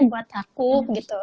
buat aku gitu